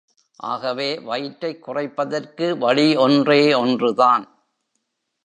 ஆகவே, வயிற்றைக் குறைப்பதற்கு வழி ஒன்றே ஒன்று தான்.